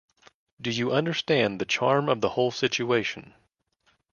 Do you understand the charm of the whole situation?